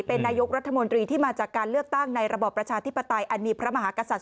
เป็นนายกรัฐมนตรีที่มาจากการเลือกตั้งในระบอบประชาธิปไตยอันมีพระมหากษัตริย